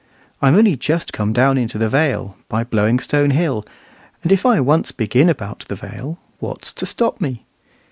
I'm only just come down into the Vale, by Blowing Stone Hill; and if I once begin about the Vale, what's to stop me?